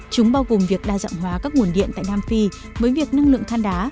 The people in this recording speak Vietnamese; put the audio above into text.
chúng bao gồm việc đa dạng hóa các nguồn điện tại nam phi với việc năng lượng than đá